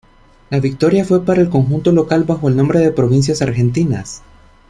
La victoria fue para el conjunto local bajo el nombre de Provincias Argentinas.